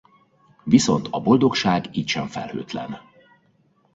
Viszont a boldogság így sem felhőtlen.